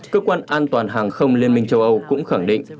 cơ quan an toàn hàng không liên minh châu âu cũng khẳng định